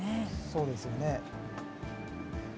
そうですよね。